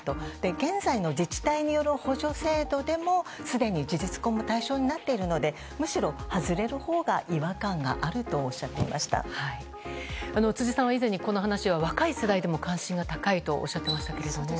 現在の自治体による補助制度でもすでに事実婚も対象になっているのでむしろ外れるほうが違和感があると辻さんは以前に、この話は若い世代でも関心が高いとおっしゃっていましたけども。